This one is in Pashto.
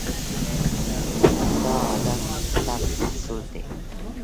دا عادت د ټپ محصول دی.